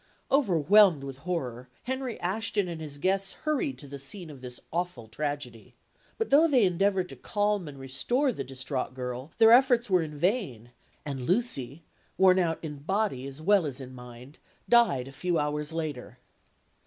Overwhelmed with horror, Henry Ashton and his guests hurried to the scene of this awful tragedy; but though they endeavoured to calm and restore the distraught girl, their efforts were in vain, and Lucy, worn out in body as well as in mind, died a few hours later.